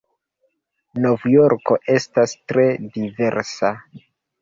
Novjorko estas tre diversa.